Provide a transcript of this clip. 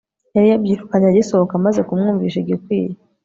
yari yabyirukanye agisohoka maze kumwumvisha igikwiye